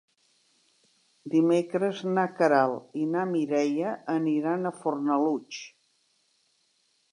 Dimecres na Queralt i na Mireia aniran a Fornalutx.